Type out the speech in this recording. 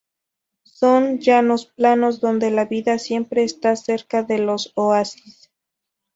Son llanos planos, donde la vida siempre está cerca de los oasis.